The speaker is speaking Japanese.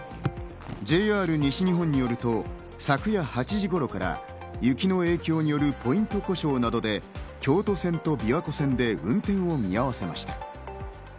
ＪＲ西日本によると、昨夜８時頃から雪の影響によるポイント故障などで京都線と琵琶湖線で運転を見合わせました。